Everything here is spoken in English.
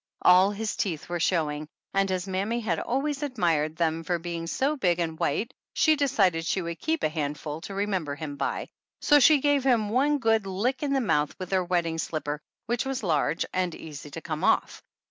All his teeth were showing, and, as mammy had always admired them for being so big and white, she decided she would keep a handful to remember him by; so she gave him one good lick in the mouth with her wedding slipper, which was large and easy to come off.